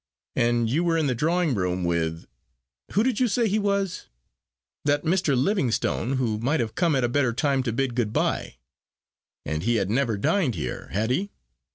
And you were in the drawing room with who did you say he was? that Mr. Livingstone, who might have come at a better time to bid good bye; and he had never dined here, had he?